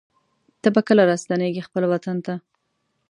ته به کله راستنېږې خپل وطن ته